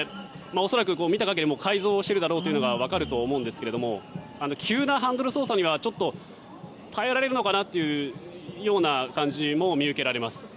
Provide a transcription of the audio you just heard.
恐らく、見た限りでも改造しているだろうというのが分かると思うんですが急なハンドル操作には耐えられるのかなという感じも見受けられます。